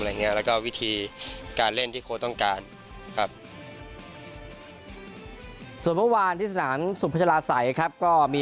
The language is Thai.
และการกันขันของผม